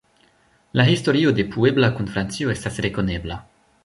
La historio de Puebla kun Francio estas rekonebla.